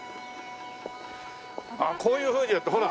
こういうふうにやってほら。